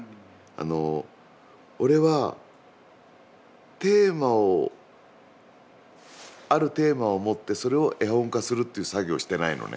あの俺はテーマをあるテーマを持ってそれを絵本化するっていう作業をしてないのね。